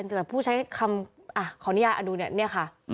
เอาในในยาอนูแนนี่ค่ะ